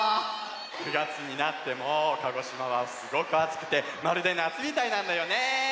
９がつになっても鹿児島はすごくあつくてまるでなつみたいなんだよね。